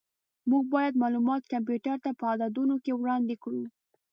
موږ باید معلومات کمپیوټر ته په عددونو کې وړاندې کړو.